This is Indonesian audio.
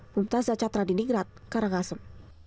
muntazah catra diningrat karangasem